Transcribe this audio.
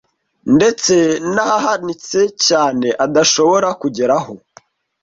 ndetse n’ahahanitse cyane adashobora kugeraho